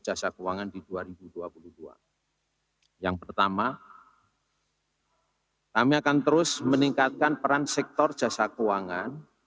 jasa keuangan di dua ribu dua puluh dua yang pertama kami akan terus meningkatkan peran sektor jasa keuangan